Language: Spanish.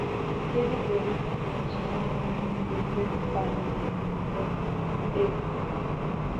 Tiene problema con su rol de ser padre con Eddie.